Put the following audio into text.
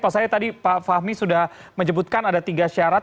pak said tadi pak fahmi sudah menyebutkan ada tiga syarat